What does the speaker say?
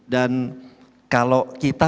dan kalau kita